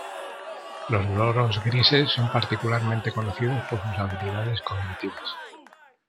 Los loros grises son particularmente conocidos por sus habilidades cognitivas.